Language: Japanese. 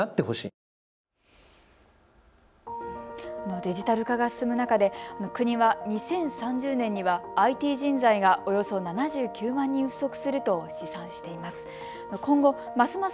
デジタル化が進む中で国は２０３０年にはＩＴ人材がおよそ７９万人不足すると試算しています。